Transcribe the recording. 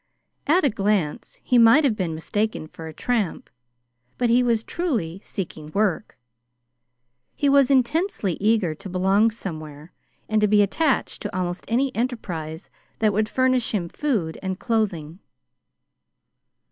At a glance he might have been mistaken for a tramp, but he was truly seeking work. He was intensely eager to belong somewhere and to be attached to almost any enterprise that would furnish him food and clothing.